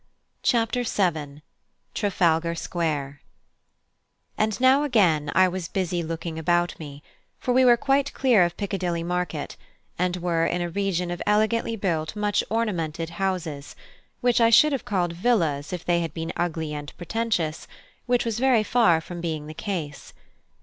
CHAPTER VII: TRAFALGAR SQUARE And now again I was busy looking about me, for we were quite clear of Piccadilly Market, and were in a region of elegantly built much ornamented houses, which I should have called villas if they had been ugly and pretentious, which was very far from being the case.